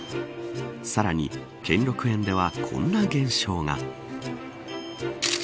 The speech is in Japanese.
さらに兼六園ではこんな現象が。